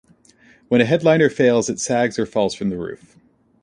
When a headliner fails, it sags or falls from the roof.